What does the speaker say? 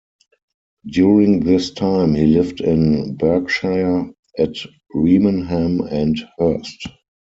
During this time, he lived in Berkshire, at Remenham and Hurst.